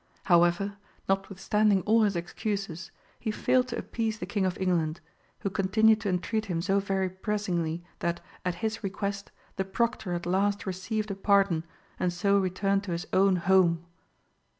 However, notwithstanding all his excuses, he failed to appease the King of England, who continued to entreat him so very pressingly that, at his request, the Proctor at last received a pardon and so returned to his own home.